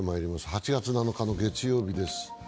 ８月７日の月曜日です。